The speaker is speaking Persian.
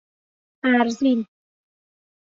بَرزین